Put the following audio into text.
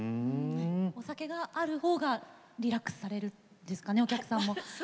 お酒があるほうがリラックスされるんですかね、お客さんも。